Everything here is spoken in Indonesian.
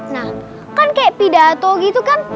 nah kan kayak pidato gitu kan